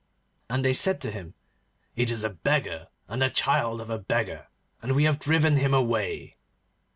And they said to him, 'It is a beggar and the child of a beggar, and we have driven him away.